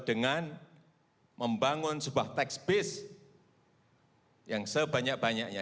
dengan membangun sebuah tax base yang sebanyak banyaknya